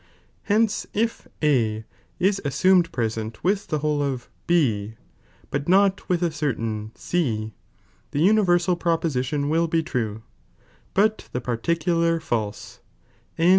Hence if A is assumed present with the whole of B, but not with a certain C, the universal pro pottition will be true, but the particular false, and